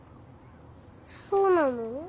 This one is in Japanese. そうなの？